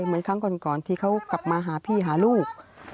เหมือนครั้งก่อนที่เขากลับมาหาพี่หาลูก